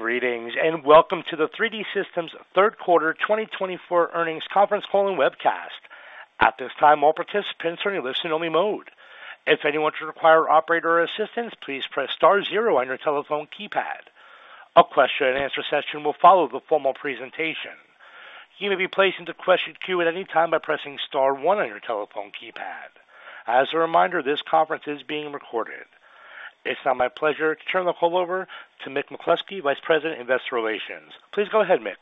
Greetings and welcome to the 3D Systems third quarter 2024 earnings conference call and webcast. At this time, all participants are in listen-only mode. If anyone should require operator assistance, please press star zero on your telephone keypad. A question and answer session will follow the formal presentation. You may be placed into question queue at any time by pressing star one on your telephone keypad. As a reminder, this conference is being recorded. It's now my pleasure to turn the call over to Mick McCloskey, Vice President, Investor Relations. Please go ahead, Mick.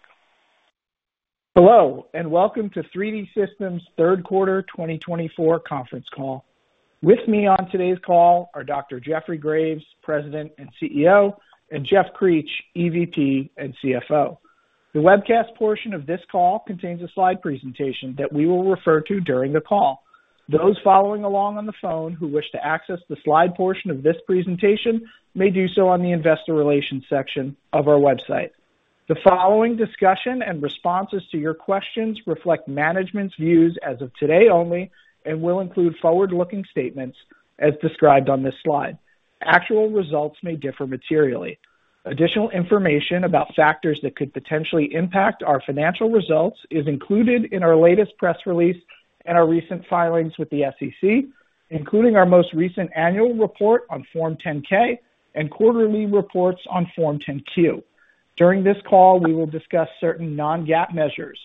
Hello and welcome to 3D Systems third quarter 2024 conference call. With me on today's call are Dr. Jeffrey Graves, President and CEO, and Jeff Creech, EVP and CFO. The webcast portion of this call contains a slide presentation that we will refer to during the call. Those following along on the phone who wish to access the slide portion of this presentation may do so on the Investor Relations section of our website. The following discussion and responses to your questions reflect management's views as of today only and will include forward-looking statements as described on this slide. Actual results may differ materially. Additional information about factors that could potentially impact our financial results is included in our latest press release and our recent filings with the SEC, including our most recent annual report on Form 10-K and quarterly reports on Form 10-Q. During this call, we will discuss certain non-GAAP measures.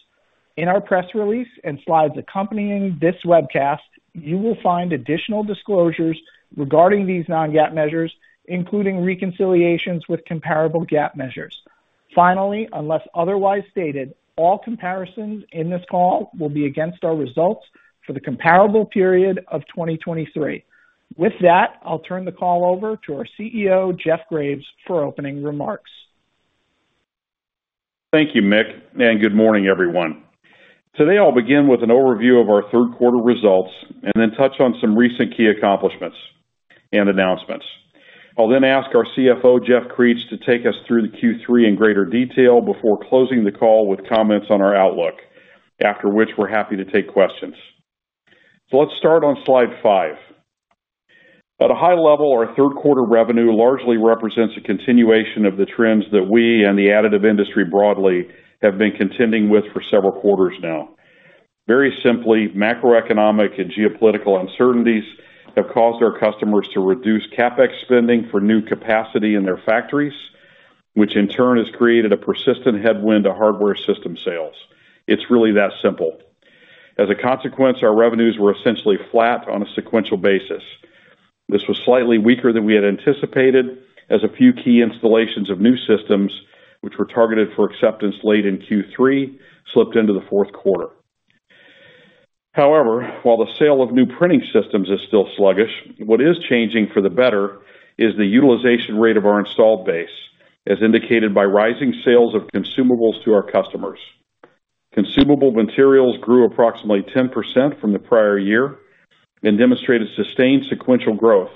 In our press release and slides accompanying this webcast, you will find additional disclosures regarding these non-GAAP measures, including reconciliations with comparable GAAP measures. Finally, unless otherwise stated, all comparisons in this call will be against our results for the comparable period of 2023. With that, I'll turn the call over to our CEO, Jeff Graves, for opening remarks. Thank you, Mick, and good morning, everyone. Today, I'll begin with an overview of our third quarter results and then touch on some recent key accomplishments and announcements. I'll then ask our CFO, Jeff Creech, to take us through the Q3 in greater detail before closing the call with comments on our outlook, after which we're happy to take questions. So let's start on slide five. At a high level, our third quarter revenue largely represents a continuation of the trends that we and the additive industry broadly have been contending with for several quarters now. Very simply, macroeconomic and geopolitical uncertainties have caused our customers to reduce CapEx spending for new capacity in their factories, which in turn has created a persistent headwind to hardware system sales. It's really that simple. As a consequence, our revenues were essentially flat on a sequential basis. This was slightly weaker than we had anticipated, as a few key installations of new systems, which were targeted for acceptance late in Q3, slipped into the fourth quarter. However, while the sale of new printing systems is still sluggish, what is changing for the better is the utilization rate of our installed base, as indicated by rising sales of consumables to our customers. Consumable materials grew approximately 10% from the prior year and demonstrated sustained sequential growth,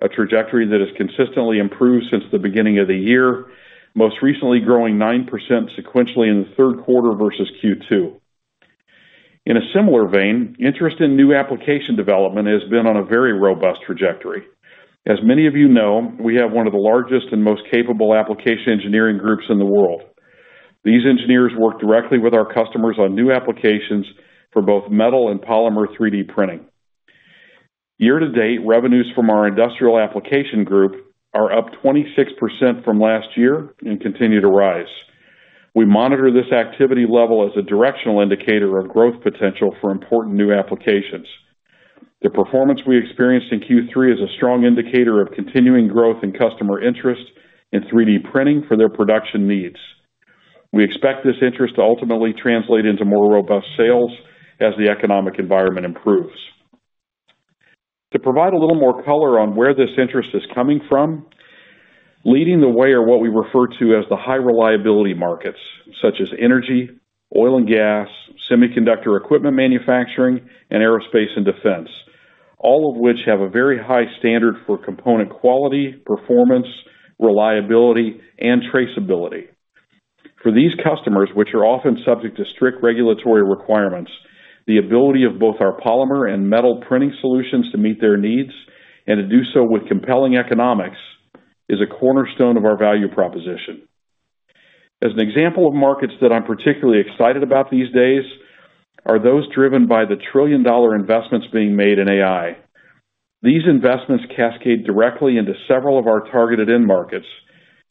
a trajectory that has consistently improved since the beginning of the year, most recently growing 9% sequentially in the third quarter versus Q2. In a similar vein, interest in new application development has been on a very robust trajectory. As many of you know, we have one of the largest and most capable application engineering groups in the world. These engineers work directly with our customers on new applications for both metal and polymer 3D printing. Year-to-date, revenues from our industrial application group are up 26% from last year and continue to rise. We monitor this activity level as a directional indicator of growth potential for important new applications. The performance we experienced in Q3 is a strong indicator of continuing growth in customer interest in 3D printing for their production needs. We expect this interest to ultimately translate into more robust sales as the economic environment improves. To provide a little more color on where this interest is coming from, leading the way are what we refer to as the high-reliability markets, such as energy, oil and gas, semiconductor equipment manufacturing, and aerospace and defense, all of which have a very high standard for component quality, performance, reliability, and traceability. For these customers, which are often subject to strict regulatory requirements, the ability of both our polymer and metal printing solutions to meet their needs and to do so with compelling economics is a cornerstone of our value proposition. As an example of markets that I'm particularly excited about these days are those driven by the trillion-dollar investments being made in AI. These investments cascade directly into several of our targeted end markets,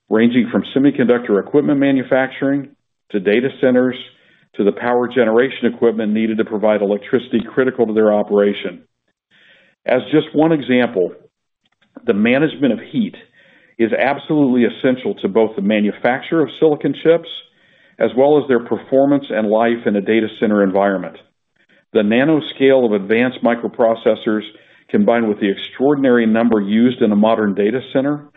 ranging from semiconductor equipment manufacturing to data centers to the power generation equipment needed to provide electricity critical to their operation. As just one example, the management of heat is absolutely essential to both the manufacture of silicon chips as well as their performance and life in a data center environment. The nanoscale of advanced microprocessors, combined with the extraordinary number used in a modern data center,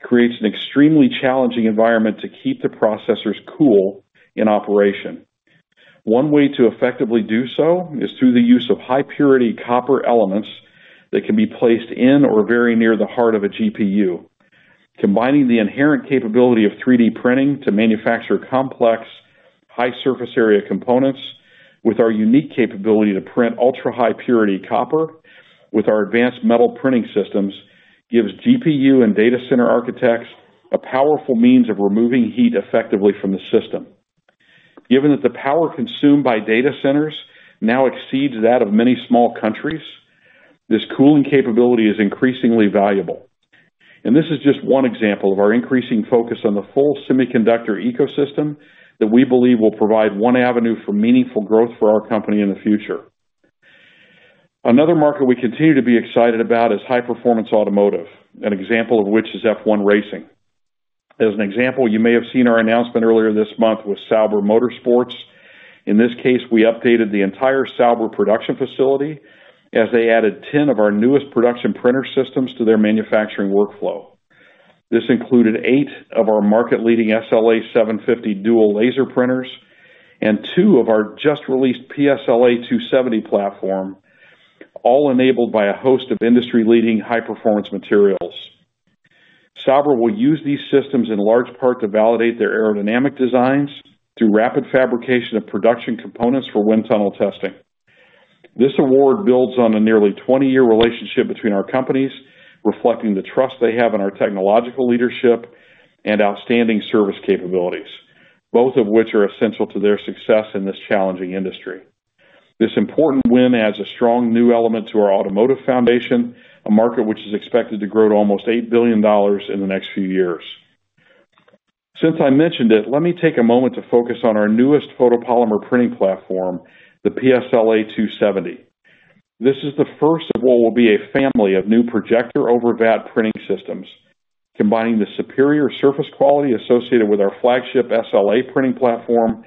creates an extremely challenging environment to keep the processors cool in operation. One way to effectively do so is through the use of high-purity copper elements that can be placed in or very near the heart of a GPU. Combining the inherent capability of 3D printing to manufacture complex, high-surface-area components with our unique capability to print ultra-high-purity copper with our advanced metal printing systems gives GPU and data center architects a powerful means of removing heat effectively from the system. Given that the power consumed by data centers now exceeds that of many small countries, this cooling capability is increasingly valuable. This is just one example of our increasing focus on the full semiconductor ecosystem that we believe will provide one avenue for meaningful growth for our company in the future. Another market we continue to be excited about is high-performance automotive, an example of which is F1 racing. As an example, you may have seen our announcement earlier this month with Sauber Motorsport. In this case, we updated the entire Sauber production facility as they added 10 of our newest production printer systems to their manufacturing workflow. This included eight of our market-leading SLA 750 dual laser printers and two of our just-released PSLA 270 platform, all enabled by a host of industry-leading high-performance materials. Sauber will use these systems in large part to validate their aerodynamic designs through rapid fabrication of production components for wind tunnel testing. This award builds on a nearly 20-year relationship between our companies, reflecting the trust they have in our technological leadership and outstanding service capabilities, both of which are essential to their success in this challenging industry. This important win adds a strong new element to our automotive foundation, a market which is expected to grow to almost $8 billion in the next few years. Since I mentioned it, let me take a moment to focus on our newest photopolymer printing platform, the PSLA 270. This is the first of what will be a family of new projector-over-vat printing systems, combining the superior surface quality associated with our flagship SLA printing platform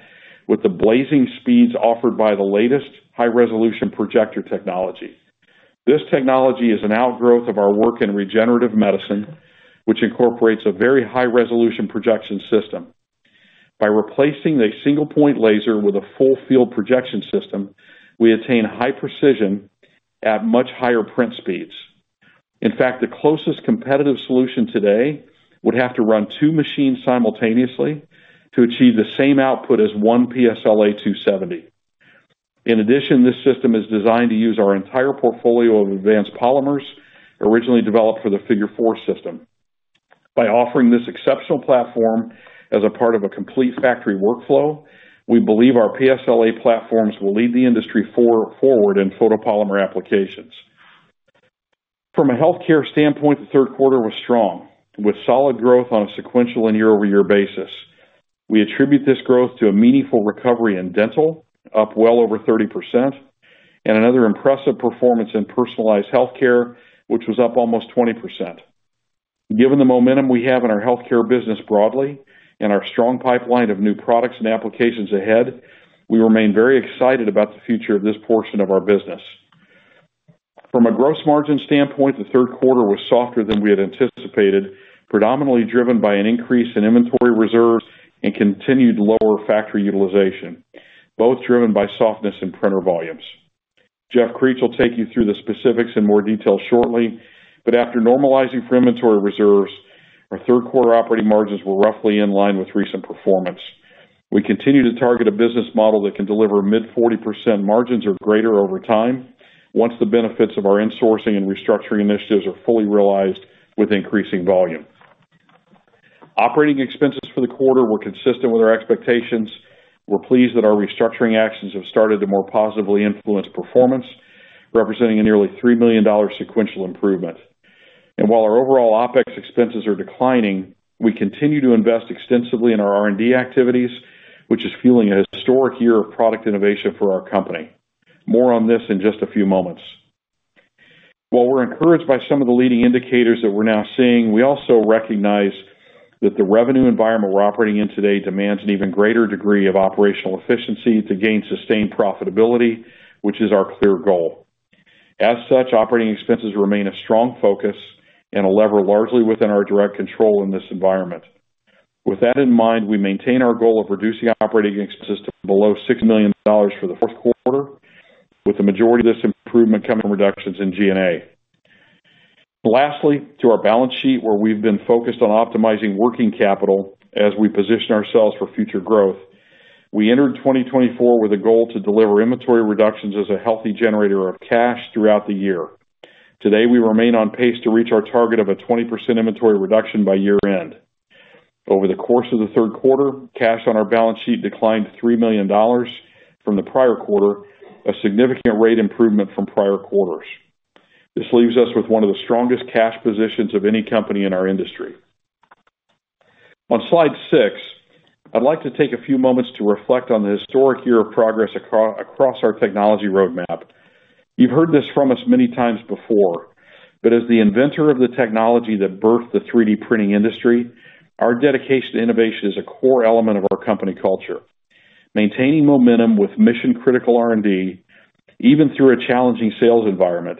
with the blazing speeds offered by the latest high-resolution projector technology. This technology is an outgrowth of our work in regenerative medicine, which incorporates a very high-resolution projection system. By replacing a single-point laser with a full-field projection system, we attain high precision at much higher print speeds. In fact, the closest competitive solution today would have to run two machines simultaneously to achieve the same output as one PSLA 270. In addition, this system is designed to use our entire portfolio of advanced polymers originally developed for the Figure 4 system. By offering this exceptional platform as a part of a complete factory workflow, we believe our PSLA platforms will lead the industry forward in photopolymer applications. From a healthcare standpoint, the third quarter was strong, with solid growth on a sequential and year-over-year basis. We attribute this growth to a meaningful recovery in dental, up well over 30%, and another impressive performance in personalized healthcare, which was up almost 20%. Given the momentum we have in our healthcare business broadly and our strong pipeline of new products and applications ahead, we remain very excited about the future of this portion of our business. From a gross margin standpoint, the third quarter was softer than we had anticipated, predominantly driven by an increase in inventory reserves and continued lower factory utilization, both driven by softness in printer volumes. Jeff Creech will take you through the specifics in more detail shortly, but after normalizing for inventory reserves, our third quarter operating margins were roughly in line with recent performance. We continue to target a business model that can deliver mid-40% margins or greater over time once the benefits of our insourcing and restructuring initiatives are fully realized with increasing volume. Operating expenses for the quarter were consistent with our expectations. We're pleased that our restructuring actions have started to more positively influence performance, representing a nearly $3 million sequential improvement. And while our overall OpEx expenses are declining, we continue to invest extensively in our R&D activities, which is fueling a historic year of product innovation for our company. More on this in just a few moments. While we're encouraged by some of the leading indicators that we're now seeing, we also recognize that the revenue environment we're operating in today demands an even greater degree of operational efficiency to gain sustained profitability, which is our clear goal. As such, operating expenses remain a strong focus and a lever largely within our direct control in this environment. With that in mind, we maintain our goal of reducing operating expenses to below $6 million for the fourth quarter, with the majority of this improvement coming from reductions in G&A. Lastly, to our balance sheet, where we've been focused on optimizing working capital as we position ourselves for future growth, we entered 2024 with a goal to deliver inventory reductions as a healthy generator of cash throughout the year. Today, we remain on pace to reach our target of a 20% inventory reduction by year-end. Over the course of the third quarter, cash on our balance sheet declined $3 million from the prior quarter, a significant rate improvement from prior quarters. This leaves us with one of the strongest cash positions of any company in our industry. On slide six, I'd like to take a few moments to reflect on the historic year of progress across our technology roadmap. You've heard this from us many times before, but as the inventor of the technology that birthed the 3D printing industry, our dedication to innovation is a core element of our company culture. Maintaining momentum with mission-critical R&D, even through a challenging sales environment,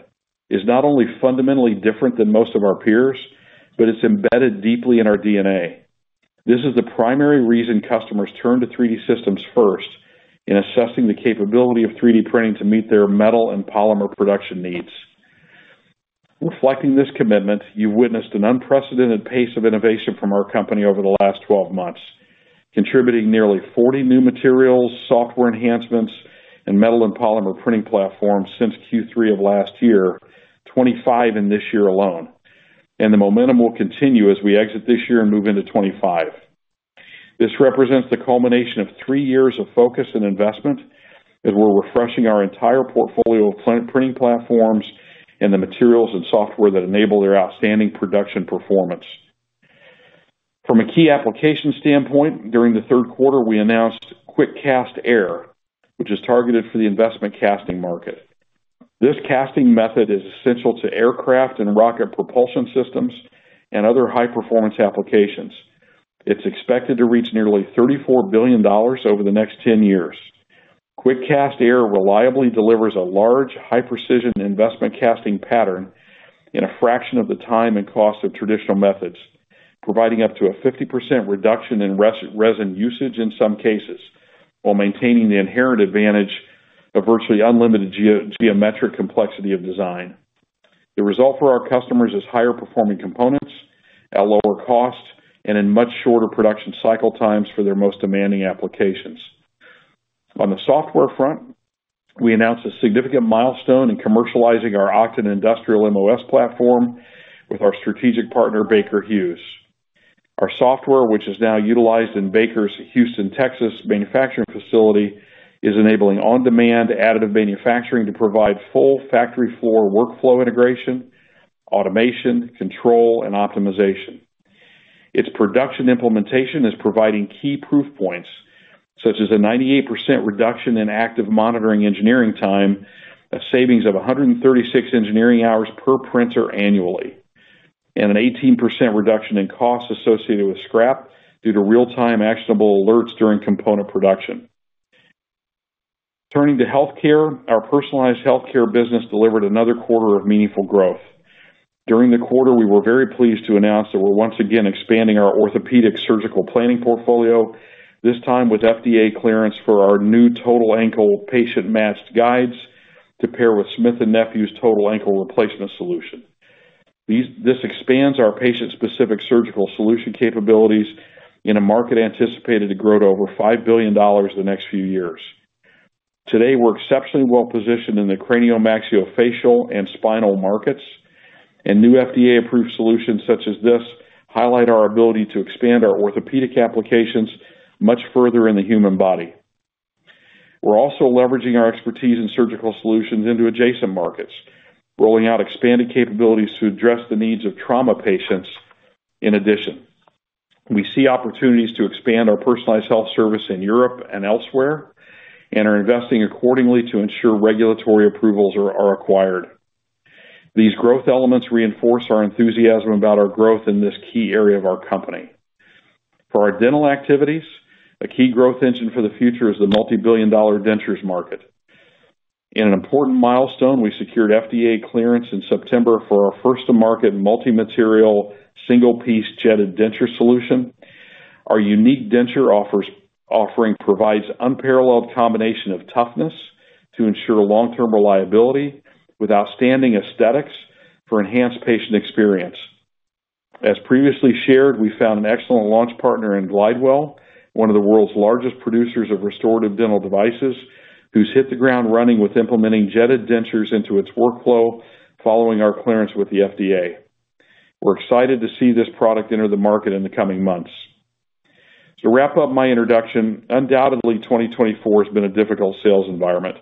is not only fundamentally different than most of our peers, but it's embedded deeply in our DNA. This is the primary reason customers turn to 3D Systems first in assessing the capability of 3D printing to meet their metal and polymer production needs. Reflecting this commitment, you've witnessed an unprecedented pace of innovation from our company over the last 12 months, contributing nearly 40 new materials, software enhancements, and metal and polymer printing platforms since Q3 of last year, 25 in this year alone. And the momentum will continue as we exit this year and move into 2025. This represents the culmination of three years of focus and investment, as we're refreshing our entire portfolio of printing platforms and the materials and software that enable their outstanding production performance. From a key application standpoint, during the third quarter, we announced QuickCast Air, which is targeted for the investment casting market. This casting method is essential to aircraft and rocket propulsion systems and other high-performance applications. It's expected to reach nearly $34 billion over the next 10 years. QuickCast Air reliably delivers a large, high-precision investment casting pattern in a fraction of the time and cost of traditional methods, providing up to a 50% reduction in resin usage in some cases while maintaining the inherent advantage of virtually unlimited geometric complexity of design. The result for our customers is higher-performing components at lower cost and in much shorter production cycle times for their most demanding applications. On the software front, we announced a significant milestone in commercializing our Oqton Industrial MOS platform with our strategic partner, Baker Hughes. Our software, which is now utilized in Baker's Houston, Texas manufacturing facility, is enabling on-demand additive manufacturing to provide full factory floor workflow integration, automation, control, and optimization. Its production implementation is providing key proof points, such as a 98% reduction in active monitoring engineering time, a savings of 136 engineering hours per printer annually, and an 18% reduction in costs associated with scrap due to real-time actionable alerts during component production. Turning to healthcare, our personalized healthcare business delivered another quarter of meaningful growth. During the quarter, we were very pleased to announce that we're once again expanding our orthopedic surgical planning portfolio, this time with FDA clearance for our new total ankle patient-matched guides to pair with Smith+Nephew's total ankle replacement solution. This expands our patient-specific surgical solution capabilities in a market anticipated to grow to over $5 billion in the next few years. Today, we're exceptionally well-positioned in the cranial, maxillofacial, and spinal markets, and new FDA-approved solutions such as this highlight our ability to expand our orthopedic applications much further in the human body. We're also leveraging our expertise in surgical solutions into adjacent markets, rolling out expanded capabilities to address the needs of trauma patients. In addition, we see opportunities to expand our personalized health service in Europe and elsewhere and are investing accordingly to ensure regulatory approvals are acquired. These growth elements reinforce our enthusiasm about our growth in this key area of our company. For our dental activities, a key growth engine for the future is the multi-billion dollar dentures market. In an important milestone, we secured FDA clearance in September for our first-to-market multimaterial single-piece jetted denture solution. Our unique denture offering provides an unparalleled combination of toughness to ensure long-term reliability with outstanding aesthetics for enhanced patient experience. As previously shared, we found an excellent launch partner in Glidewell, one of the world's largest producers of restorative dental devices, who's hit the ground running with implementing jetted dentures into its workflow following our clearance with the FDA. We're excited to see this product enter the market in the coming months. To wrap up my introduction, undoubtedly, 2024 has been a difficult sales environment,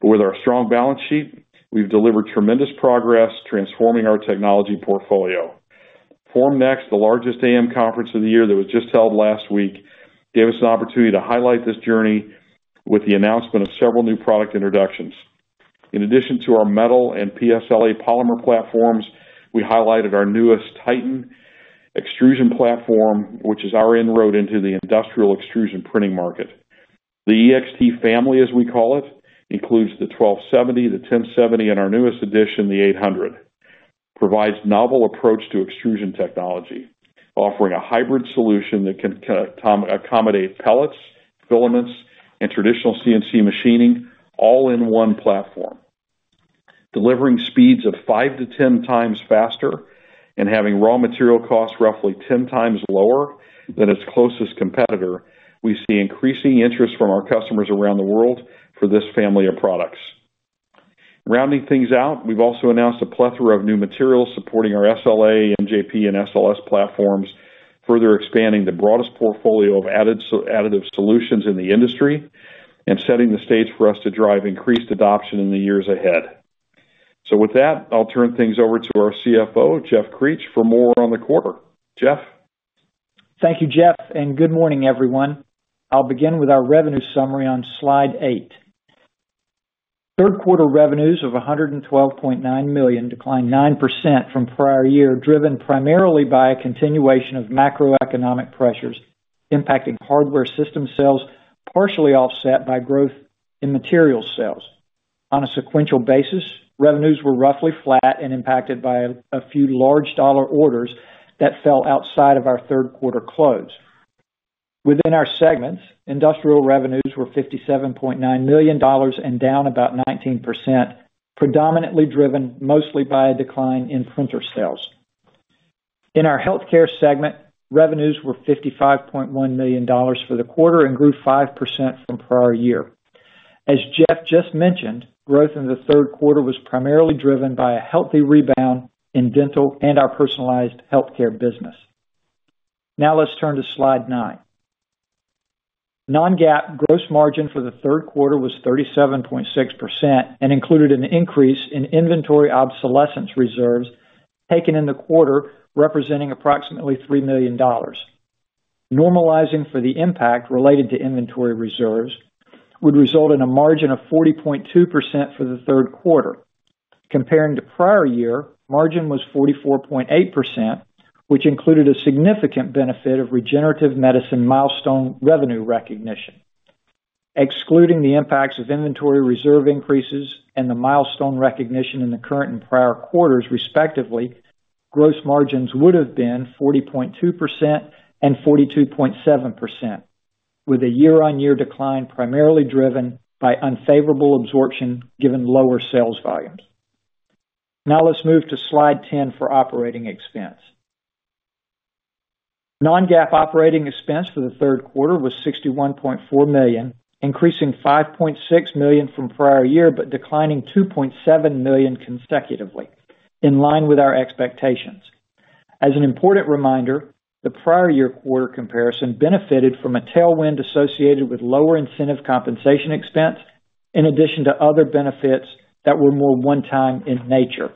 but with our strong balance sheet, we've delivered tremendous progress transforming our technology portfolio. Formnext, the largest AM conference of the year that was just held last week, gave us an opportunity to highlight this journey with the announcement of several new product introductions. In addition to our metal and PSLA polymer platforms, we highlighted our newest Titan extrusion platform, which is our inroad into the industrial extrusion printing market. The EXT family, as we call it, includes the 1270, the 1070, and our newest edition, the 800. It provides a novel approach to extrusion technology, offering a hybrid solution that can accommodate pellets, filaments, and traditional CNC machining all in one platform. Delivering speeds of five to 10 times faster and having raw material costs roughly 10 times lower than its closest competitor, we see increasing interest from our customers around the world for this family of products. Rounding things out, we've also announced a plethora of new materials supporting our SLA, MJP, and SLS platforms, further expanding the broadest portfolio of additive solutions in the industry and setting the stage for us to drive increased adoption in the years ahead. With that, I'll turn things over to our CFO, Jeff Creech, for more on the quarter. Jeff? Thank you, Jeff, and good morning, everyone. I'll begin with our revenue summary on slide eight. third quarter revenues of $112.9 million declined 9% from prior year, driven primarily by a continuation of macroeconomic pressures impacting hardware system sales, partially offset by growth in materials sales. On a sequential basis, revenues were roughly flat and impacted by a few large dollar orders that fell outside of our third quarter close. Within our segments, industrial revenues were $57.9 million and down about 19%, predominantly driven mostly by a decline in printer sales. In our healthcare segment, revenues were $55.1 million for the quarter and grew 5% from prior year. As Jeff just mentioned, growth in the third quarter was primarily driven by a healthy rebound in dental and our personalized healthcare business. Now let's turn to slide nine. Non-GAAP gross margin for the third quarter was 37.6% and included an increase in inventory obsolescence reserves taken in the quarter, representing approximately $3 million. Normalizing for the impact related to inventory reserves would result in a margin of 40.2% for the third quarter. Comparing to prior year, margin was 44.8%, which included a significant benefit of regenerative medicine milestone revenue recognition. Excluding the impacts of inventory reserve increases and the milestone recognition in the current and prior quarters, respectively, gross margins would have been 40.2% and 42.7%, with a year-on-year decline primarily driven by unfavorable absorption given lower sales volumes. Now let's move to slide 10 for operating expense. Non-GAAP operating expense for the third quarter was $61.4 million, increasing $5.6 million from prior year but declining $2.7 million consecutively, in line with our expectations. As an important reminder, the prior year quarter comparison benefited from a tailwind associated with lower incentive compensation expense, in addition to other benefits that were more one-time in nature.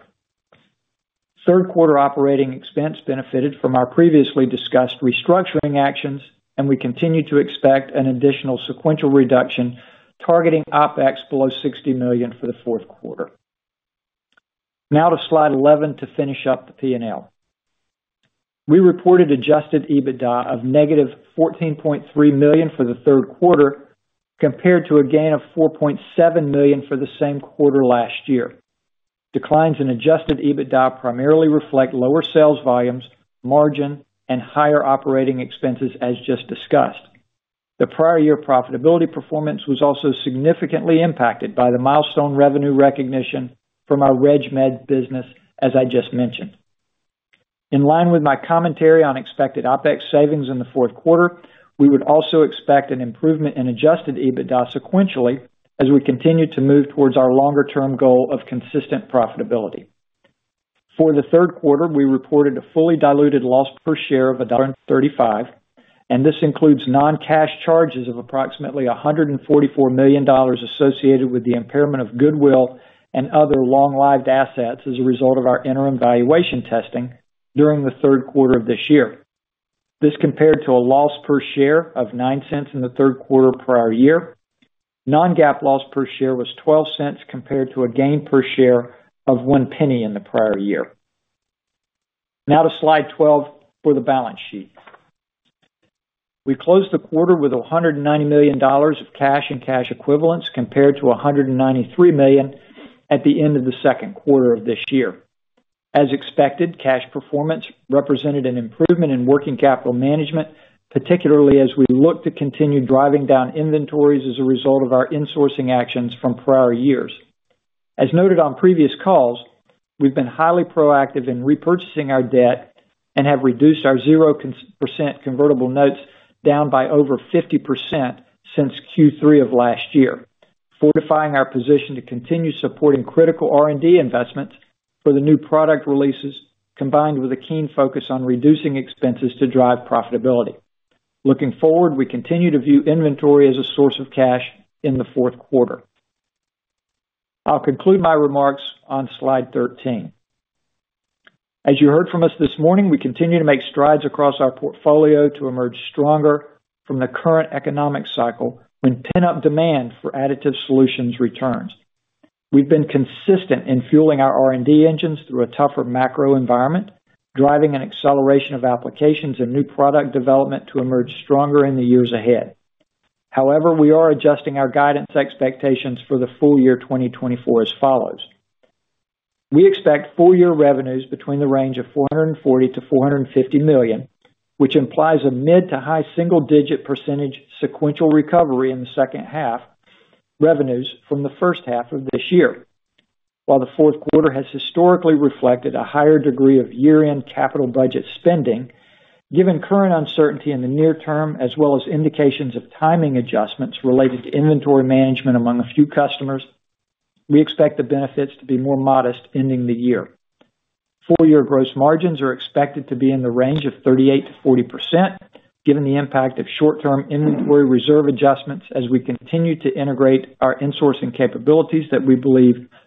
third quarter operating expense benefited from our previously discussed restructuring actions, and we continue to expect an additional sequential reduction targeting OpEx below $60 million for the fourth quarter. Now to slide 11 to finish up the P&L. We reported adjusted EBITDA of -$14.3 million for the third quarter, compared to a gain of $4.7 million for the same quarter last year. Declines in adjusted EBITDA primarily reflect lower sales volumes, margin, and higher operating expenses, as just discussed. The prior year profitability performance was also significantly impacted by the milestone revenue recognition from our RegMed business, as I just mentioned. In line with my commentary on expected OpEx savings in the fourth quarter, we would also expect an improvement in adjusted EBITDA sequentially as we continue to move towards our longer-term goal of consistent profitability. For the third quarter, we reported a fully diluted loss per share of $1.35, and this includes non-cash charges of approximately $144 million associated with the impairment of goodwill and other long-lived assets as a result of our interim valuation testing during the third quarter of this year. This compared to a loss per share of $0.09 in the third quarter prior year. Non-GAAP loss per share was $0.12 compared to a gain per share of $0.01 in the prior year. Now to slide 12 for the balance sheet. We closed the quarter with $190 million of cash and cash equivalents compared to $193 million at the end of the second quarter of this year. As expected, cash performance represented an improvement in working capital management, particularly as we look to continue driving down inventories as a result of our insourcing actions from prior years. As noted on previous calls, we've been highly proactive in repurchasing our debt and have reduced our 0% convertible notes down by over 50% since Q3 of last year, fortifying our position to continue supporting critical R&D investments for the new product releases, combined with a keen focus on reducing expenses to drive profitability. Looking forward, we continue to view inventory as a source of cash in the fourth quarter. I'll conclude my remarks on slide 13. As you heard from us this morning, we continue to make strides across our portfolio to emerge stronger from the current economic cycle when pick-up demand for additive solutions returns. We've been consistent in fueling our R&D engines through a tougher macro environment, driving an acceleration of applications and new product development to emerge stronger in the years ahead. However, we are adjusting our guidance expectations for the full year 2024 as follows. We expect full year revenues between the range of $440 million-$450 million, which implies a mid- to high single-digit % sequential recovery in the second half revenues from the first half of this year. While the fourth quarter has historically reflected a higher degree of year-end capital budget spending, given current uncertainty in the near term as well as indications of timing adjustments related to inventory management among a few customers, we expect the benefits to be more modest ending the year. Fourth quarter gross margins are expected to be in the range of 38%-40%, given the impact of short-term inventory reserve adjustments as we continue to integrate our insourcing capabilities that we believe longer-term will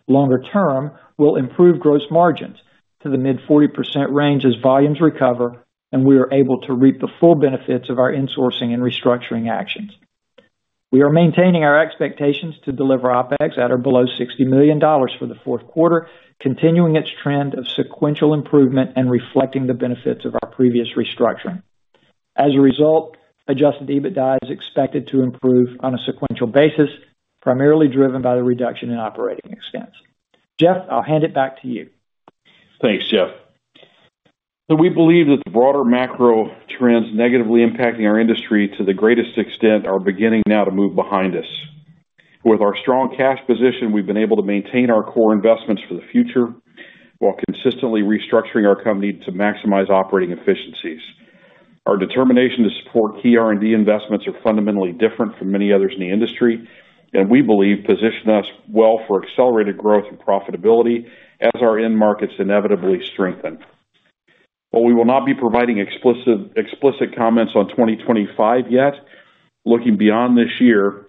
improve gross margins to the mid-40% range as volumes recover and we are able to reap the full benefits of our insourcing and restructuring actions. We are maintaining our expectations to deliver OpEx at or below $60 million for the fourth quarter, continuing its trend of sequential improvement and reflecting the benefits of our previous restructuring. As a result, adjusted EBITDA is expected to improve on a sequential basis, primarily driven by the reduction in operating expense. Jeff, I'll hand it back to you. Thanks, Jeff. So we believe that the broader macro trends negatively impacting our industry to the greatest extent are beginning now to move behind us. With our strong cash position, we've been able to maintain our core investments for the future while consistently restructuring our company to maximize operating efficiencies. Our determination to support key R&D investments are fundamentally different from many others in the industry, and we believe position us well for accelerated growth and profitability as our end markets inevitably strengthen. While we will not be providing explicit comments on 2025 yet, looking beyond this year,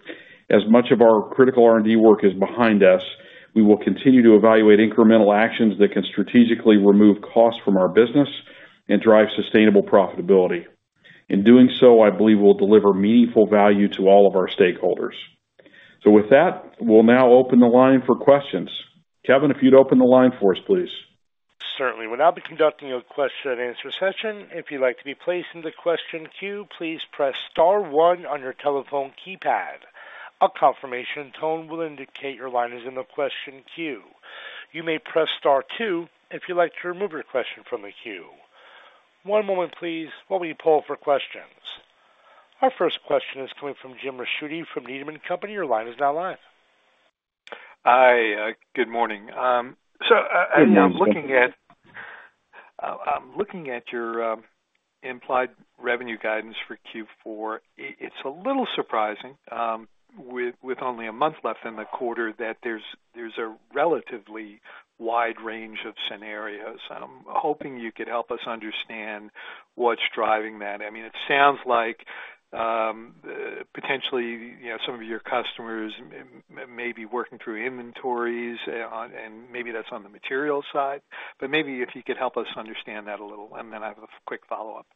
as much of our critical R&D work is behind us, we will continue to evaluate incremental actions that can strategically remove costs from our business and drive sustainable profitability. In doing so, I believe we'll deliver meaningful value to all of our stakeholders. So with that, we'll now open the line for questions. Kevin, if you'd open the line for us, please. Certainly. We'll now be conducting a question and answer session. If you'd like to be placed in the question queue, please press star one on your telephone keypad. A confirmation tone will indicate your line is in the question queue. You may press star two if you'd like to remove your question from the queue. One moment, please while we poll for questions, our first question is coming from Jim Ricchiuti from Needham & Company. Your line is now live. Hi. Good morning. So I'm looking at your implied revenue guidance for Q4. It's a little surprising with only a month left in the quarter that there's a relatively wide range of scenarios. I'm hoping you could help us understand what's driving that. I mean, it sounds like potentially some of your customers may be working through inventories, and maybe that's on the materials side. But maybe if you could help us understand that a little, and then I have a quick follow-up.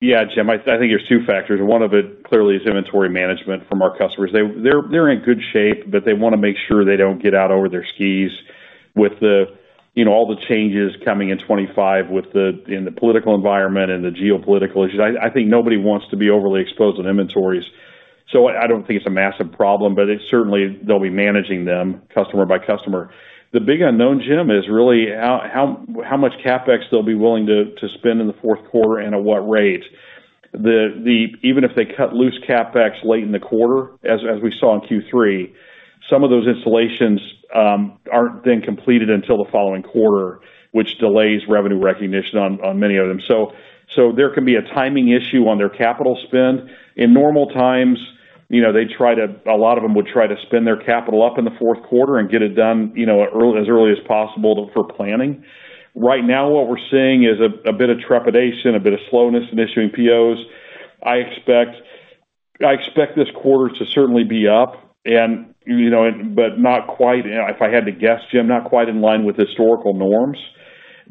Yeah, Jim. I think there's two factors. One of it clearly is inventory management from our customers. They're in good shape, but they want to make sure they don't get out over their skis with all the changes coming in 2025 in the political environment and the geopolitical issues. I think nobody wants to be overly exposed on inventories. So I don't think it's a massive problem, but certainly they'll be managing them customer by customer. The big unknown, Jim, is really how much CapEx they'll be willing to spend in the fourth quarter and at what rate. Even if they cut loose CapEx late in the quarter, as we saw in Q3, some of those installations aren't then completed until the following quarter, which delays revenue recognition on many of them. So there can be a timing issue on their capital spend. In normal times, a lot of them would try to spend their capital up in the fourth quarter and get it done as early as possible for planning. Right now, what we're seeing is a bit of trepidation, a bit of slowness in issuing POs. I expect this quarter to certainly be up, but not quite, if I had to guess, Jim, not quite in line with historical norms.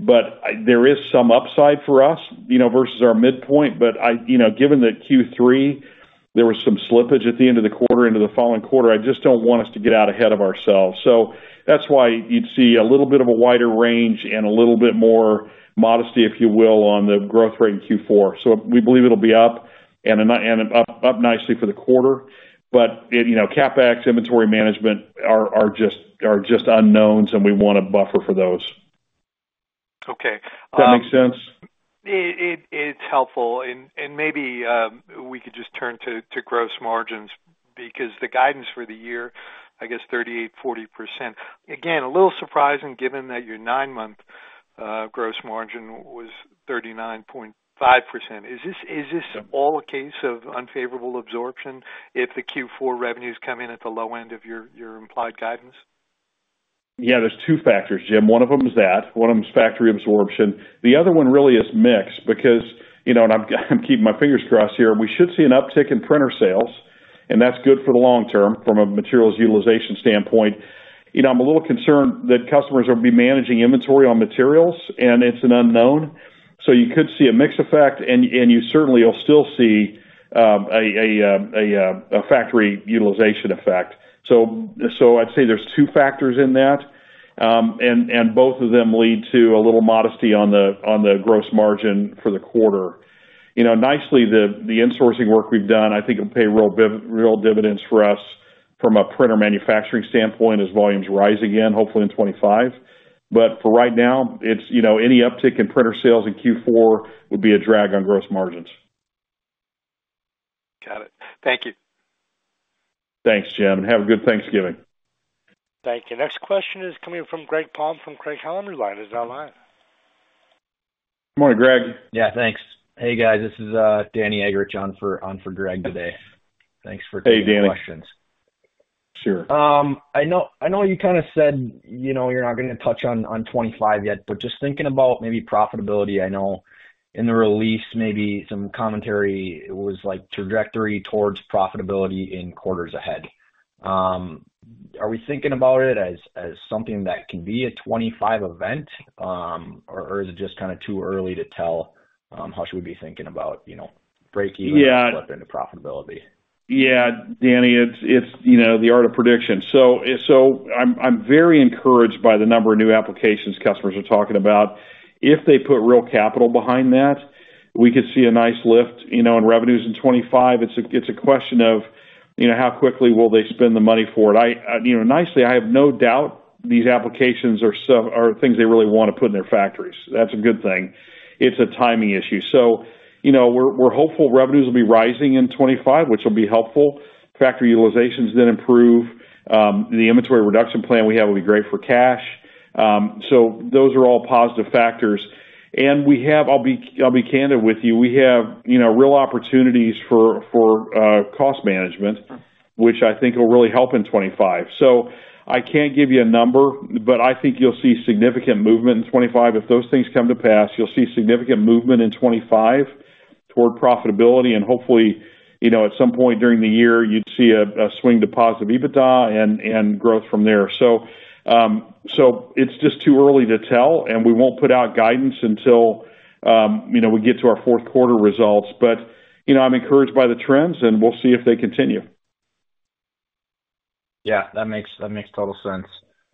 But there is some upside for us versus our midpoint. But given that Q3, there was some slippage at the end of the quarter, into the following quarter, I just don't want us to get out ahead of ourselves. So that's why you'd see a little bit of a wider range and a little bit more modesty, if you will, on the growth rate in Q4. So we believe it'll be up and up nicely for the quarter. But CapEx, inventory management are just unknowns, and we want to buffer for those. Okay. Does that make sense? It's helpful. And maybe we could just turn to gross margins because the guidance for the year, I guess, 38%-40%. Again, a little surprising given that your nine-month gross margin was 39.5%. Is this all a case of unfavorable absorption if the Q4 revenues come in at the low end of your implied guidance? Yeah, there's two factors, Jim. One of them is that. One of them is factory absorption. The other one really is mixed because, and I'm keeping my fingers crossed here, we should see an uptick in printer sales, and that's good for the long term from a materials utilization standpoint. I'm a little concerned that customers will be managing inventory on materials, and it's an unknown. So you could see a mixed effect, and you certainly will still see a factory utilization effect. So I'd say there's two factors in that, and both of them lead to a little modesty on the gross margin for the quarter. Nicely, the insourcing work we've done, I think, will pay real dividends for us from a printer manufacturing standpoint as volumes rise again, hopefully in 2025. But for right now, any uptick in printer sales in Q4 would be a drag on gross margins. Got it. Thank you. Thanks, Jim. Have a good Thanksgiving. Thank you. Next question is coming from Greg Palm from Craig-Hallum. Your line is now live. Morning, Greg. Yeah, thanks. Hey, guys. This is Danny Eggerichs on for Greg today. Thanks for taking the questions. Hey, Danny. Sure. I know you kind of said you're not going to touch on 2025 yet, but just thinking about maybe profitability. I know in the release, maybe some commentary was trajectory towards profitability in quarters ahead. Are we thinking about it as something that can be a 2025 event, or is it just kind of too early to tell how should we be thinking about breakeven and slip into profitability? Yeah, Danny, it's the art of prediction. So I'm very encouraged by the number of new applications customers are talking about. If they put real capital behind that, we could see a nice lift in revenues in 2025. It's a question of how quickly will they spend the money for it. Nicely, I have no doubt these applications are things they really want to put in their factories. That's a good thing. It's a timing issue. So we're hopeful revenues will be rising in 2025, which will be helpful. Factory utilizations then improve. The inventory reduction plan we have will be great for cash. So those are all positive factors. And I'll be candid with you. We have real opportunities for cost management, which I think will really help in 2025. So I can't give you a number, but I think you'll see significant movement in 2025. If those things come to pass, you'll see significant movement in 2025 toward profitability. And hopefully, at some point during the year, you'd see a swing to positive EBITDA and growth from there. So it's just too early to tell, and we won't put out guidance until we get to our fourth quarter results. But I'm encouraged by the trends, and we'll see if they continue. Yeah, that makes total sense.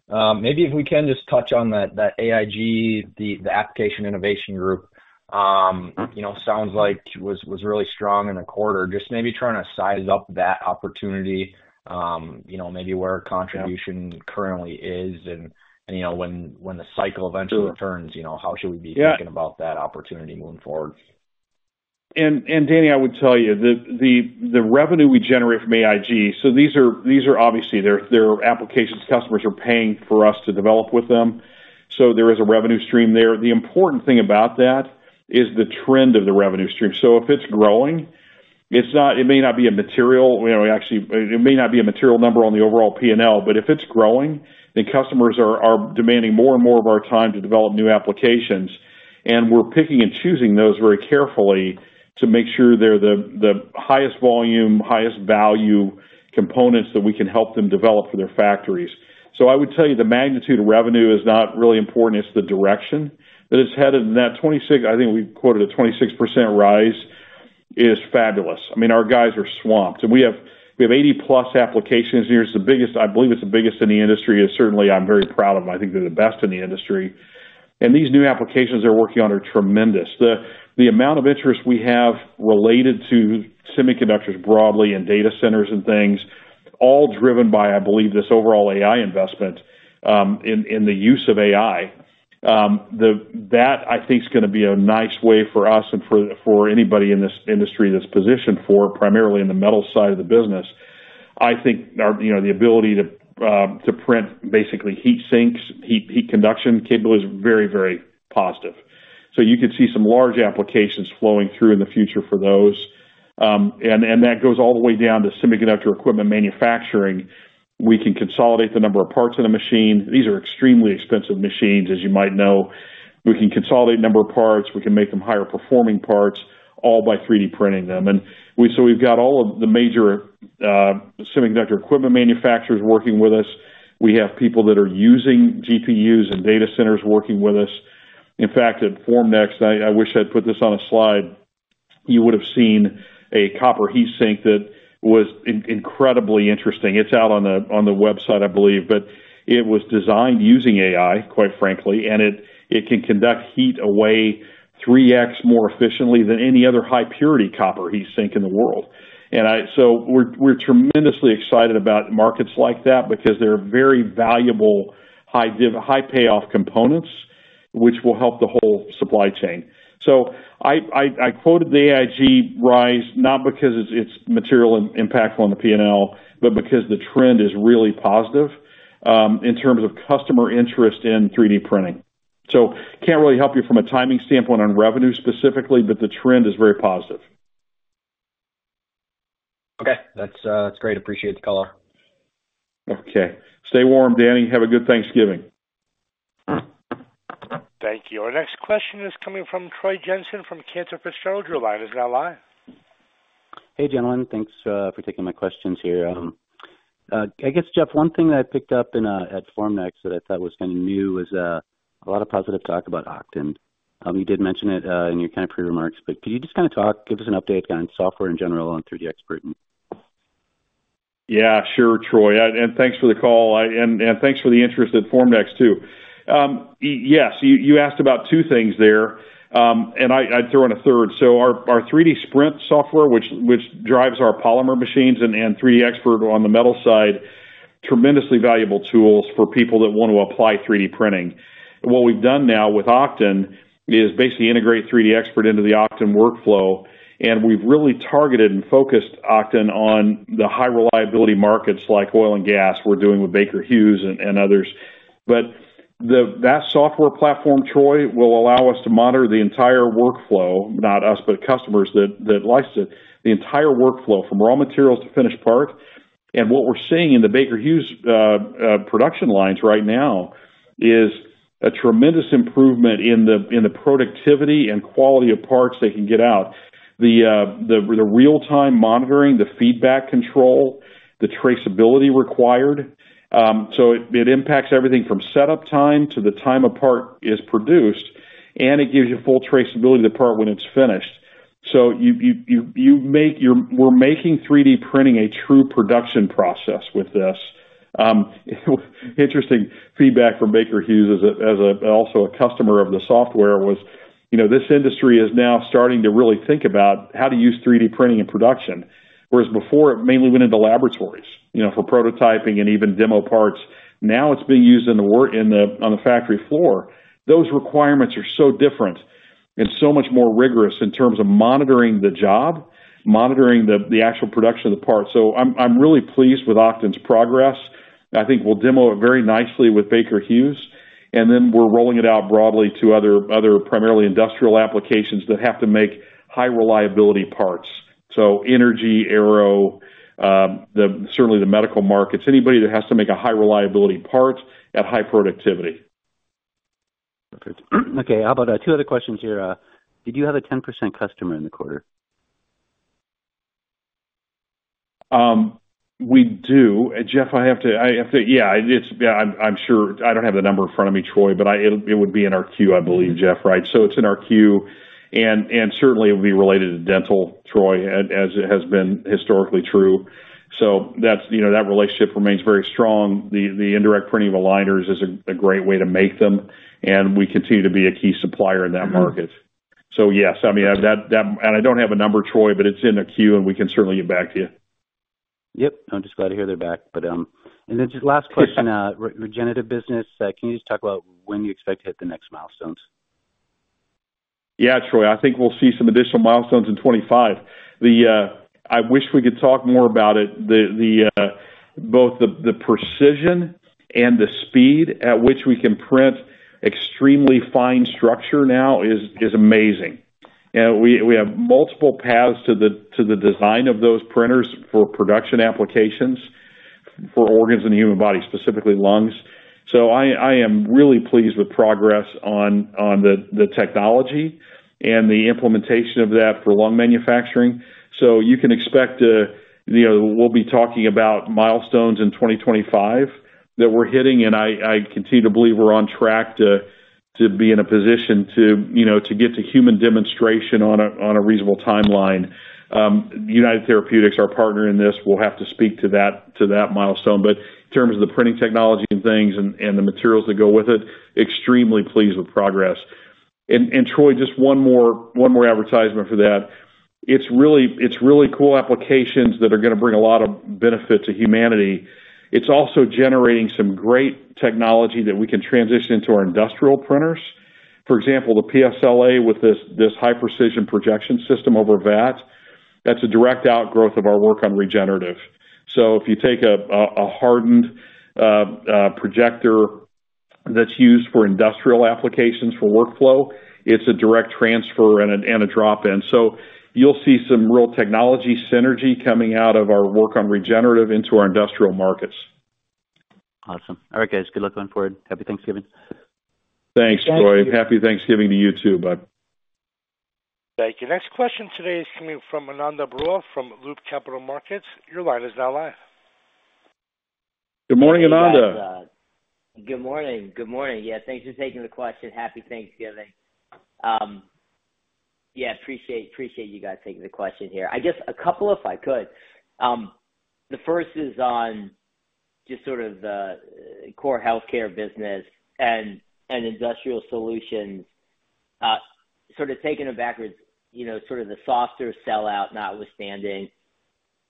Maybe if we can just touch on that AIG, the Application Innovation Group, sounds like was really strong in the quarter. Just maybe trying to size up that opportunity, maybe where our contribution currently is, and when the cycle eventually turns, how should we be thinking about that opportunity moving forward? Danny, I would tell you the revenue we generate from AIG, so these are obviously their applications customers are paying for us to develop with them. So there is a revenue stream there. The important thing about that is the trend of the revenue stream. So if it's growing, it may not be a material, actually, it may not be a material number on the overall P&L, but if it's growing, then customers are demanding more and more of our time to develop new applications. And we're picking and choosing those very carefully to make sure they're the highest volume, highest value components that we can help them develop for their factories. So I would tell you the magnitude of revenue is not really important. It's the direction that it's headed. And that, I think we quoted a 26% rise, is fabulous. I mean, our guys are swamped. And we have 80+ applications. I believe it's the biggest in the industry. Certainly, I'm very proud of them. I think they're the best in the industry. And these new applications they're working on are tremendous. The amount of interest we have related to semiconductors broadly and data centers and things, all driven by, I believe, this overall AI investment in the use of AI, that I think is going to be a nice way for us and for anybody in this industry that's positioned for, primarily in the metal side of the business. I think the ability to print basically heat sinks, heat conduction capability is very, very positive. So you could see some large applications flowing through in the future for those. And that goes all the way down to semiconductor equipment manufacturing. We can consolidate the number of parts in a machine. These are extremely expensive machines, as you might know. We can consolidate a number of parts. We can make them higher-performing parts, all by 3D printing them. And so we've got all of the major semiconductor equipment manufacturers working with us. We have people that are using GPUs and data centers working with us. In fact, at Formnext, I wish I'd put this on a slide. You would have seen a copper heat sink that was incredibly interesting. It's out on the website, I believe, but it was designed using AI, quite frankly, and it can conduct heat away 3x more efficiently than any other high-purity copper heat sink in the world. And so we're tremendously excited about markets like that because they're very valuable high-payoff components, which will help the whole supply chain. So I quoted the AIG's rise not because it's material impactful on the P&L, but because the trend is really positive in terms of customer interest in 3D printing. So can't really help you from a timing standpoint on revenue specifically, but the trend is very positive. Okay. That's great. Appreciate the call. Okay. Stay warm, Danny. Have a good Thanksgiving. Thank you. Our next question is coming from Troy Jensen from Cantor Fitzgerald. Your line is now live. Hey, gentlemen. Thanks for taking my questions here. I guess, Jeff, one thing that I picked up at Formnext that I thought was kind of new was a lot of positive talk about Oqton. You did mention it in your kind of prepared remarks, but could you just kind of talk, give us an update on software in general and 3DXpert? Yeah, sure, Troy. And thanks for the call. And thanks for the interest at Formnext too. Yes, you asked about two things there, and I'd throw in a third. So our 3D Sprint software, which drives our polymer machines and 3DXpert on the metal side, tremendously valuable tools for people that want to apply 3D printing. What we've done now with Oqton is basically integrate 3DXpert into the Oqton workflow. And we've really targeted and focused Oqton on the high reliability markets like oil and gas we're doing with Baker Hughes and others. But that software platform, Troy, will allow us to monitor the entire workflow, not us, but customers that license it, the entire workflow from raw materials to finished parts. And what we're seeing in the Baker Hughes production lines right now is a tremendous improvement in the productivity and quality of parts they can get out. The real-time monitoring, the feedback control, the traceability required. So it impacts everything from setup time to the time a part is produced, and it gives you full traceability of the part when it's finished. So we're making 3D printing a true production process with this. Interesting feedback from Baker Hughes as also a customer of the software was this industry is now starting to really think about how to use 3D printing in production, whereas before it mainly went into laboratories for prototyping and even demo parts. Now it's being used on the factory floor. Those requirements are so different and so much more rigorous in terms of monitoring the job, monitoring the actual production of the part. I'm really pleased with Oqton's progress. I think we'll demo it very nicely with Baker Hughes, and then we're rolling it out broadly to other primarily industrial applications that have to make high-reliability parts. Energy, aero, certainly the medical markets, anybody that has to make a high-reliability part at high productivity. Perfect. Okay. How about two other questions here? Did you have a 10% customer in the quarter? We do. Jeff, I have to, yeah, I'm sure. I don't have the number in front of me, Troy, but it would be in our queue, I believe, Jeff, right? So it's in our queue. And certainly, it would be related to dental, Troy, as it has been historically true. So that relationship remains very strong. The indirect printing of aligners is a great way to make them, and we continue to be a key supplier in that market. So yes, I mean, and I don't have a number, Troy, but it's in the queue, and we can certainly get back to you. Yep. I'm just glad to hear back. And then just last question, regenerative business, can you just talk about when you expect to hit the next milestones? Yeah, Troy, I think we'll see some additional milestones in 2025. I wish we could talk more about it. Both the precision and the speed at which we can print extremely fine structure now is amazing. We have multiple paths to the design of those printers for production applications for organs and human bodies, specifically lungs, so I am really pleased with progress on the technology and the implementation of that for lung manufacturing, so you can expect to, we'll be talking about milestones in 2025 that we're hitting, and I continue to believe we're on track to be in a position to get to human demonstration on a reasonable timeline. United Therapeutics, our partner in this, will have to speak to that milestone, but in terms of the printing technology and things and the materials that go with it, extremely pleased with progress, and Troy, just one more advertisement for that. It's really cool applications that are going to bring a lot of benefit to humanity. It's also generating some great technology that we can transition into our industrial printers. For example, the PSLA with this high-precision projection system over vat, that's a direct outgrowth of our work on regenerative. So if you take a hardened projector that's used for industrial applications for workflow, it's a direct transfer and a drop-in. So you'll see some real technology synergy coming out of our work on regenerative into our industrial markets. Awesome. All right, guys. Good luck going forward. Happy Thanksgiving. Thanks, Troy. Happy Thanksgiving to you too. Bye. Thank you. Next question today is coming from Ananda Baruah from Loop Capital Markets. Your line is now live. Good morning, Ananda. Good morning. Good morning. Yeah, thanks for taking the question. Happy Thanksgiving. Yeah, appreciate you guys taking the question here. I guess a couple if I could. The first is on just sort of the core healthcare business and industrial solutions. Sort of taking it backwards, sort of the softer sellout notwithstanding,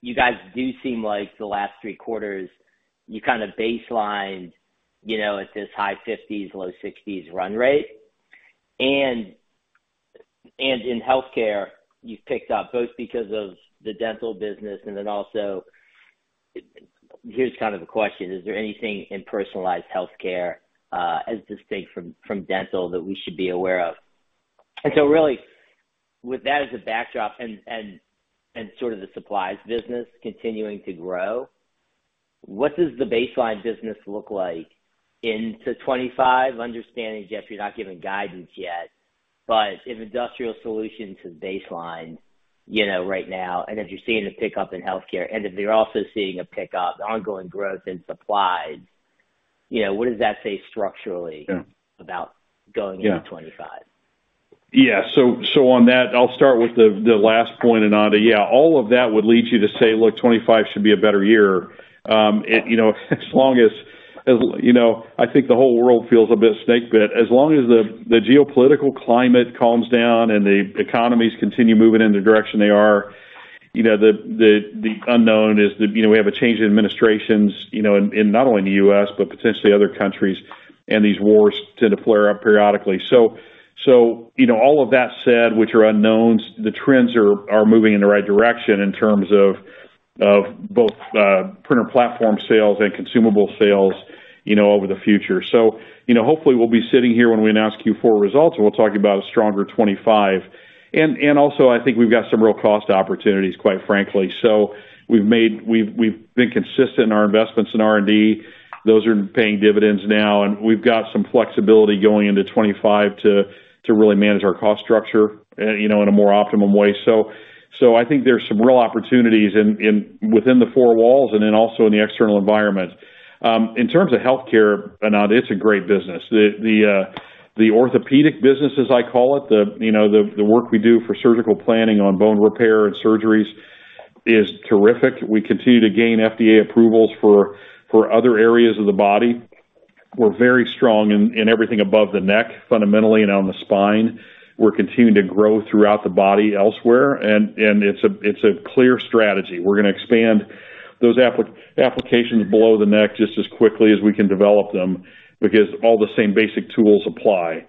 you guys do seem like the last three quarters, you kind of baselined at this high 50s, low 60s run rate. And in healthcare, you've picked up both because of the dental business and then also here's kind of the question: is there anything in personalized healthcare as distinct from dental that we should be aware of? And so really, with that as a backdrop and sort of the supplies business continuing to grow, what does the baseline business look like into 2025? Understanding, Jeff, you're not giving guidance yet, but if industrial solutions have baselined right now, and if you're seeing a pickup in healthcare, and if you're also seeing a pickup, ongoing growth in supplies, what does that say structurally about going into 2025? Yeah. So on that, I'll start with the last point, Ananda. Yeah, all of that would lead you to say, "Look, 2025 should be a better year." As long as I think the whole world feels a bit snakebit, as long as the geopolitical climate calms down and the economies continue moving in the direction they are, the unknown is that we have a change in administrations in not only the U.S., but potentially other countries, and these wars tend to flare up periodically. So all of that said, which are unknowns, the trends are moving in the right direction in terms of both printer platform sales and consumable sales over the future. So hopefully, we'll be sitting here when we announce Q4 results, and we'll talk about a stronger 2025. And also, I think we've got some real cost opportunities, quite frankly. So we've been consistent in our investments in R&D. Those are paying dividends now. And we've got some flexibility going into 2025 to really manage our cost structure in a more optimum way. So I think there's some real opportunities within the four walls and then also in the external environment. In terms of healthcare, Ananda, it's a great business. The orthopedic business, as I call it, the work we do for surgical planning on bone repair and surgeries is terrific. We continue to gain FDA approvals for other areas of the body. We're very strong in everything above the neck, fundamentally, and on the spine. We're continuing to grow throughout the body elsewhere. And it's a clear strategy. We're going to expand those applications below the neck just as quickly as we can develop them because all the same basic tools apply.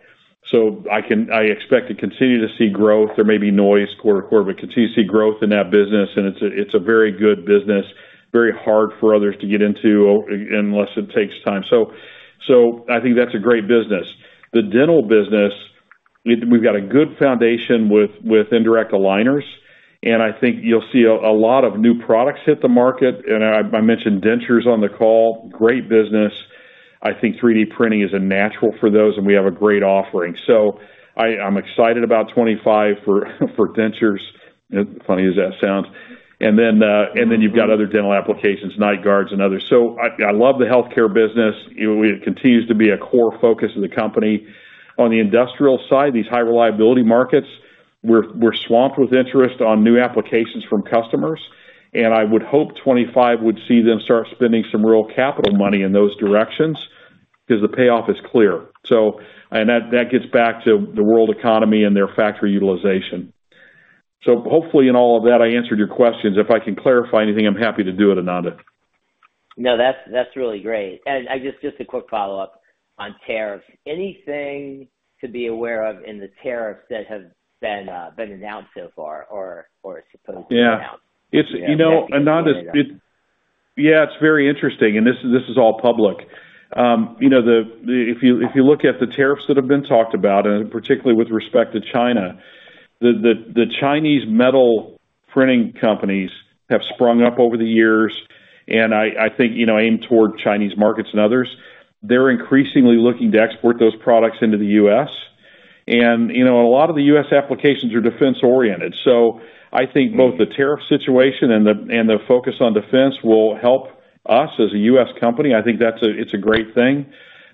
So I expect to continue to see growth. There may be noise quarter to quarter, but continue to see growth in that business. And it's a very good business, very hard for others to get into unless it takes time. So I think that's a great business. The dental business, we've got a good foundation with indirect aligners. And I think you'll see a lot of new products hit the market. And I mentioned dentures on the call. Great business. I think 3D printing is a natural for those, and we have a great offering. So I'm excited about 2025 for dentures, funny as that sounds. And then you've got other dental applications, night guards, and others. So I love the healthcare business. It continues to be a core focus of the company. On the industrial side, these high-reliability markets, we're swamped with interest on new applications from customers. And I would hope 2025 would see them start spending some real capital money in those directions because the payoff is clear. And that gets back to the world economy and their factory utilization. So hopefully, in all of that, I answered your questions. If I can clarify anything, I'm happy to do it, Ananda. No, that's really great. And just a quick follow-up on tariffs. Anything to be aware of in the tariffs that have been announced so far or supposed to be announced? Yeah. Ananda, yeah, it's very interesting. And this is all public. If you look at the tariffs that have been talked about, and particularly with respect to China, the Chinese metal printing companies have sprung up over the years. And I think aim toward Chinese markets and others. They're increasingly looking to export those products into the U.S. And a lot of the U.S. applications are defense-oriented. So I think both the tariff situation and the focus on defense will help us as a U.S. company. I think it's a great thing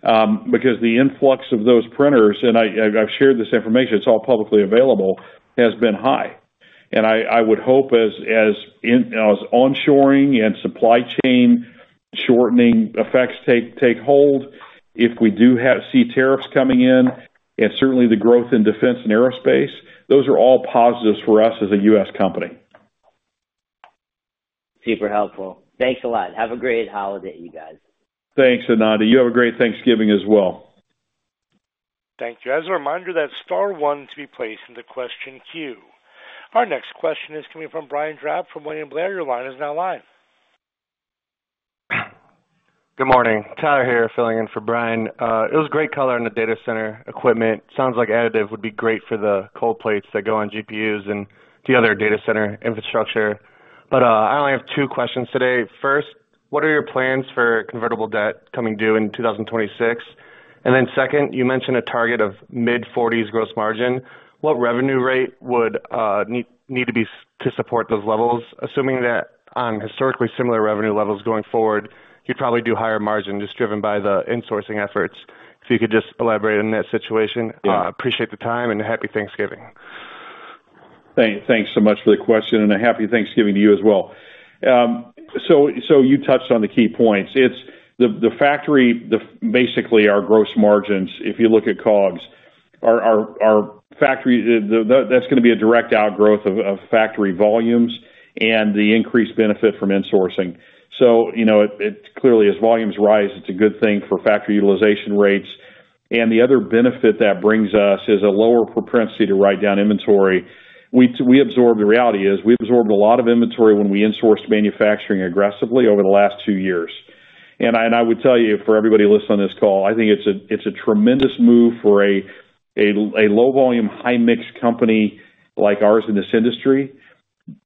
because the influx of those printers, and I've shared this information, it's all publicly available, has been high. I would hope as onshoring and supply chain shortening effects take hold, if we do see tariffs coming in, and certainly the growth in defense and aerospace, those are all positives for us as a U.S. company. Super helpful. Thanks a lot. Have a great holiday, you guys. Thanks, Ananda. You have a great Thanksgiving as well. Thank you. As a reminder, that star one to be placed in the question queue. Our next question is coming from Brian Drab from William Blair. Your line is now live. Good morning. Tyler here, filling in for Brian. It was great color in the data center equipment. Sounds like additive would be great for the cold plates that go on GPUs and the other data center infrastructure. But I only have two questions today. First, what are your plans for convertible debt coming due in 2026? And then second, you mentioned a target of mid-40s% gross margin. What revenue rate would need to be to support those levels? Assuming that on historically similar revenue levels going forward, you'd probably do higher margin just driven by the insourcing efforts. If you could just elaborate on that situation. Appreciate the time and happy Thanksgiving. Thanks so much for the question, and a happy Thanksgiving to you as well. You touched on the key points. Basically, our gross margins, if you look at COGS, that's going to be a direct outgrowth of factory volumes and the increased benefit from insourcing. Clearly, as volumes rise, it's a good thing for factory utilization rates. The other benefit that brings us is a lower propensity to write down inventory. The reality is we absorbed a lot of inventory when we insourced manufacturing aggressively over the last two years. I would tell you, for everybody listening on this call, I think it's a tremendous move for a low-volume, high-mix company like ours in this industry.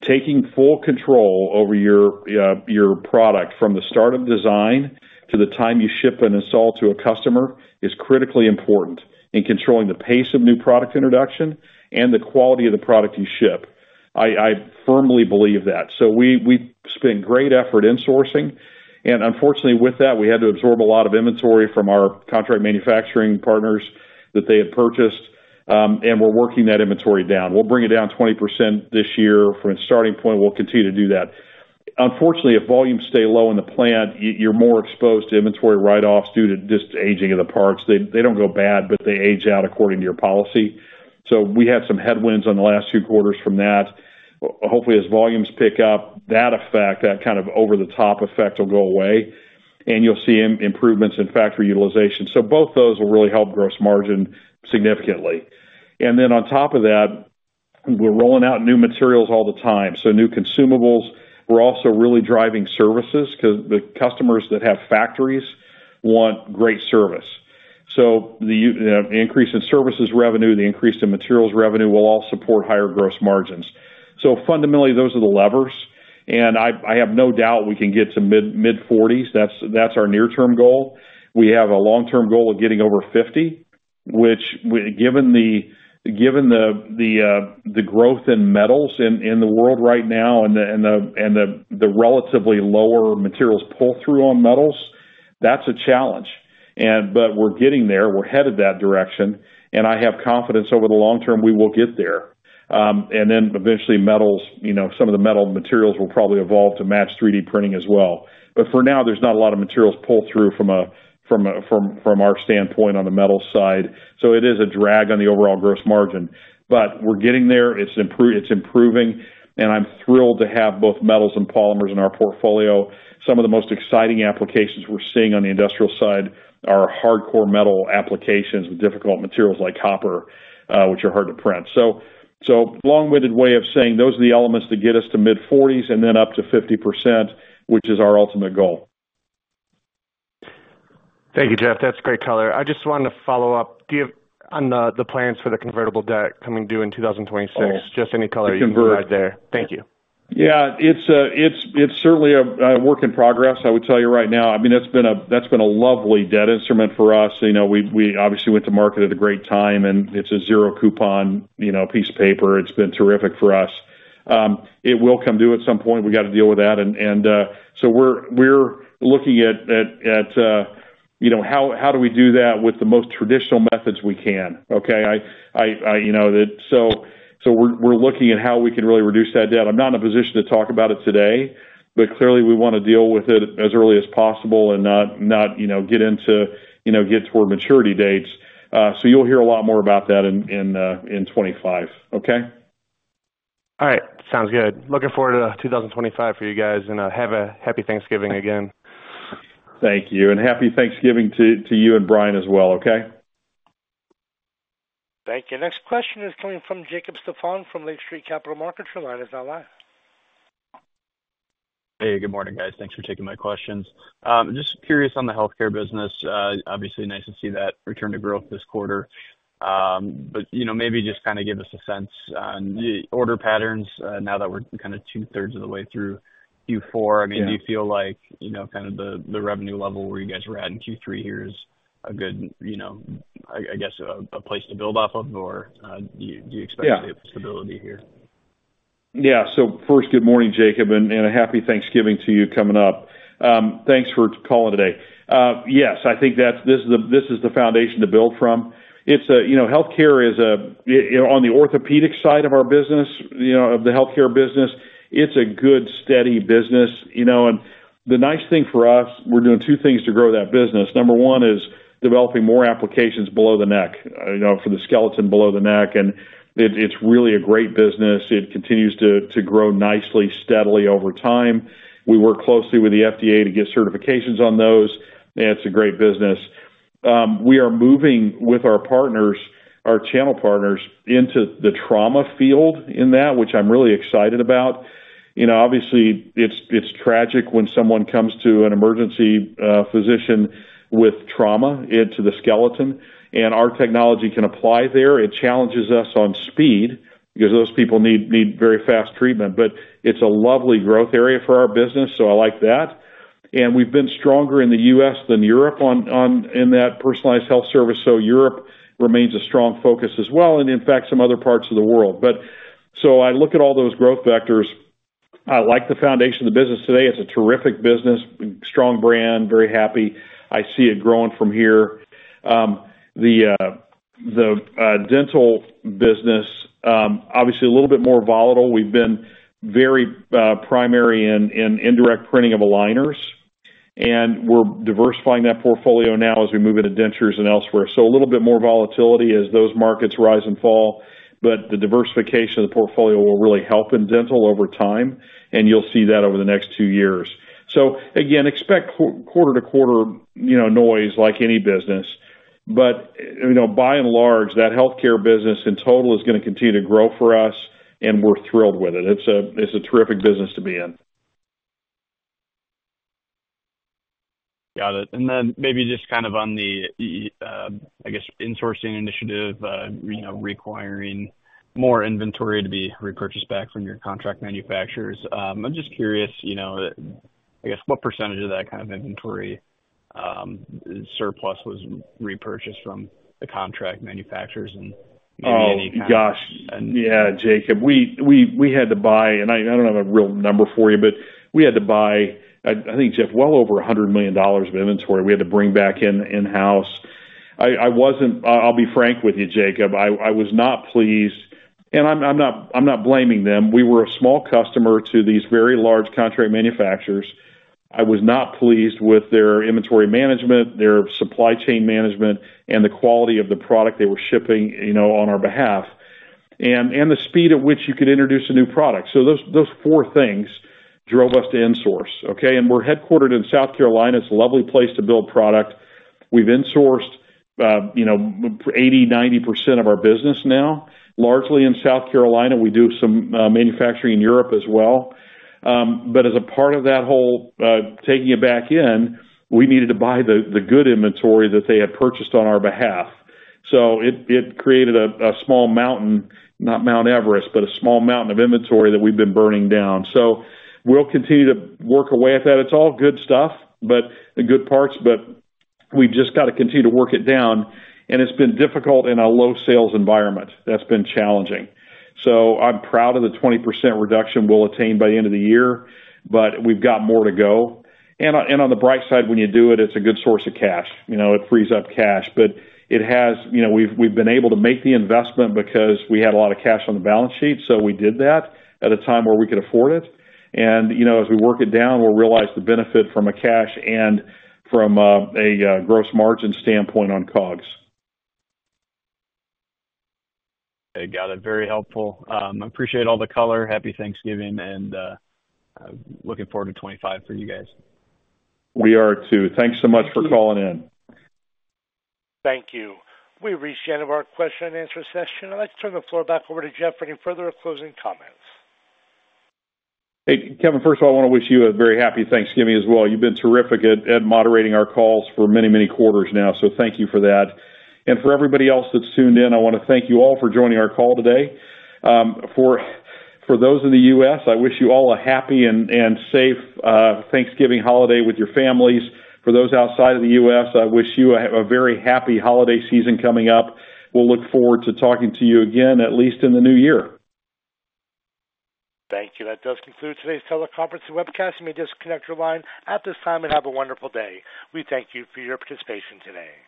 Taking full control over your product from the start of design to the time you ship and install to a customer is critically important in controlling the pace of new product introduction and the quality of the product you ship. I firmly believe that. We spent great effort insourcing. Unfortunately, with that, we had to absorb a lot of inventory from our contract manufacturing partners that they had purchased. We're working that inventory down. We'll bring it down 20% this year from a starting point. We'll continue to do that. Unfortunately, if volumes stay low in the plant, you're more exposed to inventory write-offs due to just aging of the parts. They don't go bad, but they age out according to your policy. So we had some headwinds on the last two quarters from that. Hopefully, as volumes pick up, that effect, that kind of over-the-top effect will go away. And you'll see improvements in factory utilization. So both those will really help gross margin significantly. And then on top of that, we're rolling out new materials all the time. So new consumables. We're also really driving services because the customers that have factories want great service. So the increase in services revenue, the increase in materials revenue will all support higher gross margins. So fundamentally, those are the levers. And I have no doubt we can get to mid-40s. That's our near-term goal. We have a long-term goal of getting over 50, which, given the growth in metals in the world right now and the relatively lower materials pull-through on metals, that's a challenge. But we're getting there. We're headed that direction. And I have confidence over the long term we will get there. And then eventually, some of the metal materials will probably evolve to match 3D printing as well. But for now, there's not a lot of materials pull-through from our standpoint on the metal side. So it is a drag on the overall gross margin. But we're getting there. It's improving. And I'm thrilled to have both metals and polymers in our portfolio. Some of the most exciting applications we're seeing on the industrial side are hardcore metal applications with difficult materials like copper, which are hard to print. So long-winded way of saying, those are the elements that get us to mid-40s and then up to 50%, which is our ultimate goal. Thank you, Jeff. That's great color. I just wanted to follow up on the plans for the convertible debt coming due in 2026. Just any color you can provide there. Thank you. Yeah. It's certainly a work in progress, I would tell you right now. I mean, that's been a lovely debt instrument for us. We obviously went to market at a great time, and it's a zero-coupon piece of paper. It's been terrific for us. It will come due at some point. We got to deal with that. And so we're looking at how do we do that with the most traditional methods we can, okay? So we're looking at how we can really reduce that debt. I'm not in a position to talk about it today, but clearly, we want to deal with it as early as possible and not get into toward maturity dates. So you'll hear a lot more about that in 2025, okay? All right. Sounds good. Looking forward to 2025 for you guys and have a happy Thanksgiving again. Thank you and happy Thanksgiving to you and Brian as well, okay? Thank you. Next question is coming from Jacob Stephan from Lake Street Capital Markets. Your line is now live. Hey, good morning, guys. Thanks for taking my questions. Just curious on the healthcare business. Obviously, nice to see that return to growth this quarter, but maybe just kind of give us a sense on order patterns now that we're kind of two-thirds of the way through Q4. I mean, do you feel like kind of the revenue level where you guys were at in Q3 here is a good, I guess, a place to build off of, or do you expect to see stability here? Yeah. So first, good morning, Jacob, and a happy Thanksgiving to you coming up. Thanks for calling today. Yes, I think this is the foundation to build from. Healthcare is on the orthopedic side of our business, of the healthcare business; it's a good, steady business. And the nice thing for us, we're doing two things to grow that business. Number one is developing more applications below the neck for the skeleton below the neck. And it's really a great business. It continues to grow nicely, steadily over time. We work closely with the FDA to get certifications on those. It's a great business. We are moving with our partners, our channel partners, into the trauma field in that, which I'm really excited about. Obviously, it's tragic when someone comes to an emergency physician with trauma to the skeleton. And our technology can apply there. It challenges us on speed because those people need very fast treatment. But it's a lovely growth area for our business, so I like that. And we've been stronger in the U.S. than Europe in that personalized health service. So Europe remains a strong focus as well, and in fact, some other parts of the world. So I look at all those growth vectors. I like the foundation of the business today. It's a terrific business, strong brand, very happy. I see it growing from here. The dental business, obviously, a little bit more volatile. We've been very primarily in indirect printing of aligners. And we're diversifying that portfolio now as we move into dentures and elsewhere. So a little bit more volatility as those markets rise and fall. But the diversification of the portfolio will really help in dental over time. And you'll see that over the next two years. So again, expect quarter-to-quarter noise like any business. But by and large, that healthcare business in total is going to continue to grow for us, and we're thrilled with it. It's a terrific business to be in. Got it. And then maybe just kind of on the, I guess, insourcing initiative, requiring more inventory to be repurchased back from your contract manufacturers. I'm just curious, I guess, what percentage of that kind of inventory surplus was repurchased from the contract manufacturers and maybe any kind of? Oh, gosh. Yeah, Jacob. We had to buy, and I don't have a real number for you, but we had to buy, I think, Jeff, well over $100 million of inventory we had to bring back in-house. I'll be frank with you, Jacob. I was not pleased. I'm not blaming them. We were a small customer to these very large contract manufacturers. I was not pleased with their inventory management, their supply chain management, and the quality of the product they were shipping on our behalf, and the speed at which you could introduce a new product. Those four things drove us to insource, okay? We're headquartered in South Carolina. It's a lovely place to build product. We've insourced 80%-90% of our business now, largely in South Carolina. We do some manufacturing in Europe as well. But as a part of that whole taking it back in, we needed to buy the good inventory that they had purchased on our behalf. So it created a small mountain, not Mount Everest, but a small mountain of inventory that we've been burning down. So we'll continue to work away at that. It's all good stuff, good parts, but we've just got to continue to work it down. And it's been difficult in a low-sales environment. That's been challenging. So I'm proud of the 20% reduction we'll attain by the end of the year, but we've got more to go. And on the bright side, when you do it, it's a good source of cash. It frees up cash. But we've been able to make the investment because we had a lot of cash on the balance sheet, so we did that at a time where we could afford it. And as we work it down, we'll realize the benefit from a cash and from a gross margin standpoint on COGS. Got it. Very helpful. Appreciate all the color. Happy Thanksgiving and looking forward to 2025 for you guys. We are too. Thanks so much for calling in. Thank you. We've reached the end of our question and answer session. I'd like to turn the floor back over to Jeff for any further closing comments. Hey, Kevin, first of all, I want to wish you a very happy Thanksgiving as well. You've been terrific at moderating our calls for many, many quarters now, so thank you for that. For everybody else that's tuned in, I want to thank you all for joining our call today. For those in the U.S., I wish you all a happy and safe Thanksgiving holiday with your families. For those outside of the U.S., I wish you a very happy holiday season coming up. We'll look forward to talking to you again, at least in the new year. Thank you. That does conclude today's teleconference and webcast. You may disconnect your line at this time and have a wonderful day. We thank you for your participation today.